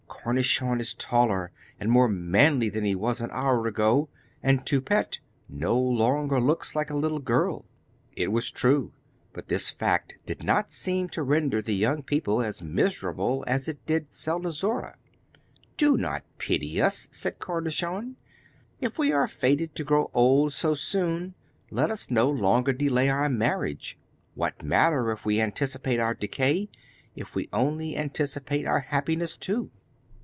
Cornichon is taller and more manly than he was an hour ago, and Toupette no longer looks like a little girl.' It was true; but this fact did not seem to render the young people as miserable as it did Selnozoura. 'Do not pity us,' said Cornichon. 'If we are fated to grow old so soon, let us no longer delay our marriage. What matter if we anticipate our decay, if we only anticipate our happiness too?